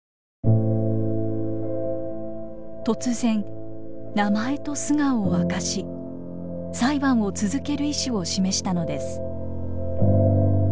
突然名前と素顔を明かし裁判を続ける意思を示したのです。